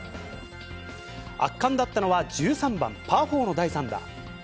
圧巻だったのは、１３番パー４の第３打。